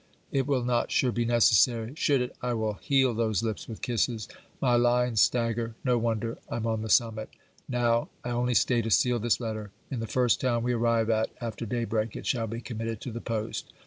It will not sure be necessary. Should it, I will heal those lips with kisses! My lines stagger. No wonder! I'm on the summit! Now, I only stay to seal this letter. In the first town we arrive at after day break, it shall be committed to the post.